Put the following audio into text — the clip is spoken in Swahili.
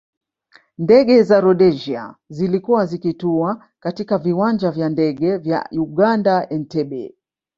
Ndege za Rhodesia zilikuwa zikitua katika viwanja vya ndege vya Uganda Entebbe